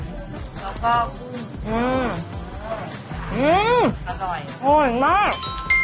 อื้มมอร่อยมาก